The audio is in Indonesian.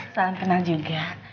salam kenal juga